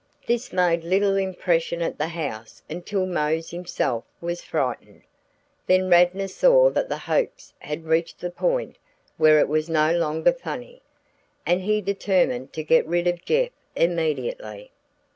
"This made little impression at the house until Mose himself was frightened; then Radnor saw that the hoax had reached the point where it was no longer funny, and he determined to get rid of Jeff immediately.